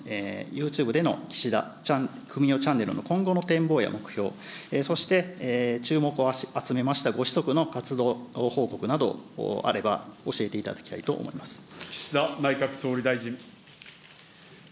ユーチューブでの岸田文雄チャンネルの今後の展望や目標、そして注目を集めましたご子息の活動報告などあれば、教えていた岸田内閣総理大臣。